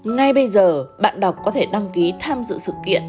ngay bây giờ bạn đọc có thể đăng ký tham dự sự kiện